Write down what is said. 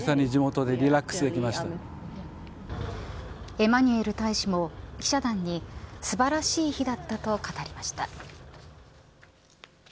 エマニュエル大使も記者団に素晴らしい日だったと語りました。